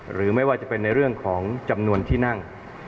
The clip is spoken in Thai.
หรือไม่ว่าจะเป็นในเรื่องของจำนวนที่นั่ง